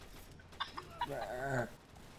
당신 아들한테 물어봐라